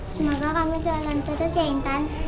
semoga kamu jalan terus ya intan